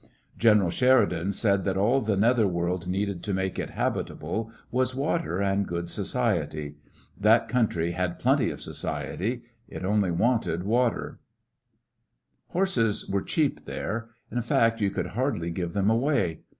Greneral Sheridan said that all the nether world needed to make it habitable was water and good society. That country had plenty of society ; it only wanted water. A novtl horse Horses were cheap there; in fact, you could hardly give them away.